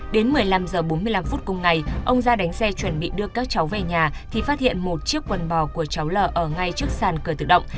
đến một mươi năm h bốn mươi năm cùng ngày ông gia đánh xe chuẩn bị đưa các cháu về nhà thì phát hiện một chiếc quần bò của cháu l ở ngay trước sàn cờ tự động